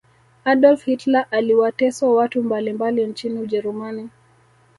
adolf hitler aliwateso watu mbalimbali nchini ujerumani